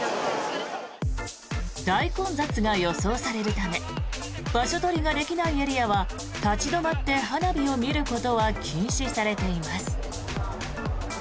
大混雑が予想されるため場所取りができないエリアは立ち止まって花火を見ることは禁止されています。